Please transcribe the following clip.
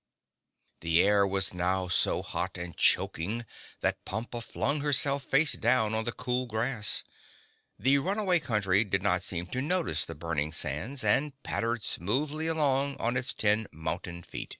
The air was now so hot and choking that Pompa flung himself face down on the cool grass. The Runaway Country did not seem to notice the burning sands and pattered smoothly along on its ten mountain feet.